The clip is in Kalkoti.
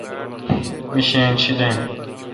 می شینگ شیلین۔